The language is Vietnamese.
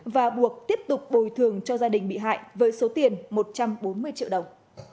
và buộc tiếp tục bồi thường cho gia đình bị hại với số tiền một trăm bốn mươi triệu đồng